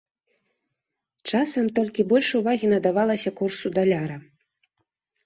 Часам толькі больш увагі надавалася курсу даляра.